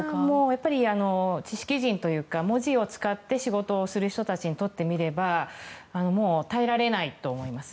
やっぱり、知識人というか文字を使って仕事をする人たちにとってみれば耐えられないと思います。